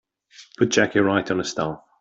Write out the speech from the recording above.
Put Jackie right on the staff.